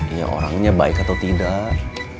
ya orangnya baik atau tidak